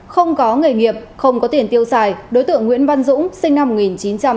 không có nghề nghiệp không có tiền tiêu xài đối tượng nguyễn văn dũng sinh năm một nghìn chín trăm tám mươi